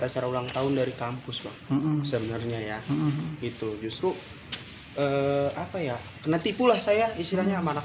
acara ulang tahun dari kampus sebenarnya ya itu justru apa ya kena tipu lah saya istilahnya sama anak